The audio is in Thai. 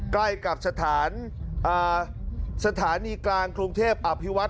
ใกล้กับสถานอ่าสถานีกลางกรุงเทพอภิวัฒน์